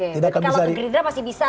tapi kalau ke gerindra masih bisa